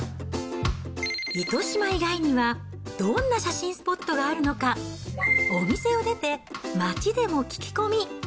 糸島以外には、どんな写真スポットがあるのか、お店を出て、街でも聞き込み。